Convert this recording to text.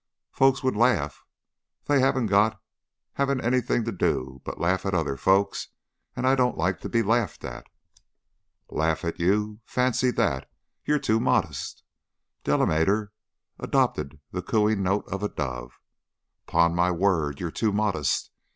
Folks would laugh. They haven't got haven't anything to do but laugh at other folks, and I don't like to be laughed at." "Laugh at you! Fancy that! You're too modest." Delamater adopted the cooing note of a dove. "'Pon my word, you're too modest.